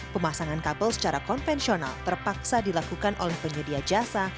pemasangan kabel secara konvensional terpaksa dilakukan oleh penyedia jasa